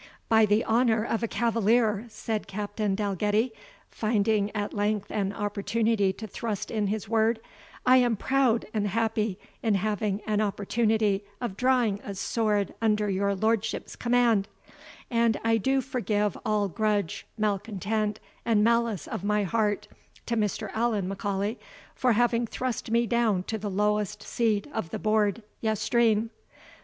"By the honour of a cavalier," said Captain Dalgetty, finding at length an opportunity to thrust in his word, "I am proud and happy in having an opportunity of drawing a sword under your lordship's command; and I do forgive all grudge, malecontent, and malice of my heart, to Mr. Allan M'Aulay, for having thrust me down to the lowest seat of the board yestreen.